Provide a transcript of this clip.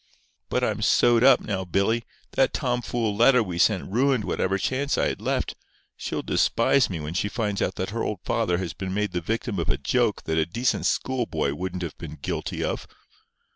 But I'm sewed up now, Billy. That tomfool letter we sent ruined whatever chance I had left. She'll despise me when she finds out that her old father has been made the victim of a joke that a decent school boy wouldn't have been guilty of.